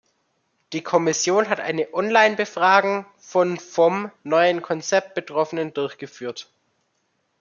Die Kommission hat eine On-line-Befragung von vom neuen Konzept Betroffenen durchgeführt.